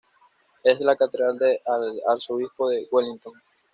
Es la catedral del arzobispo de Wellington.